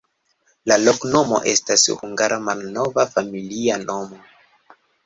La loknomo estas hungara malnova familia nomo.